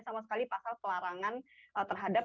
sama sekali pasal pelarangan terhadap